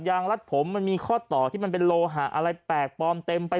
รัดผมมันมีข้อต่อที่มันเป็นโลหะอะไรแปลกปลอมเต็มไป